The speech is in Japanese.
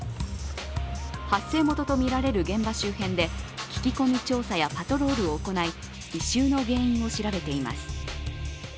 発生元とみられる現場周辺で聞き込み調査やパトロールを行い異臭の原因を調べています。